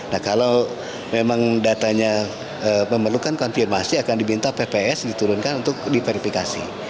nah kalau memang datanya memerlukan konfirmasi akan diminta pps diturunkan untuk diverifikasi